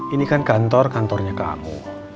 ini kan kantor kantornya kamu